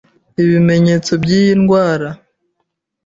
Ibimenyetso by'iyi ndwara: